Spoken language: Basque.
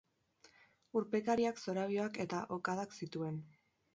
Urpekariak zorabioak eta okadak zituen.